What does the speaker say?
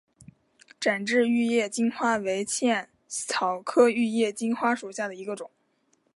展枝玉叶金花为茜草科玉叶金花属下的一个种。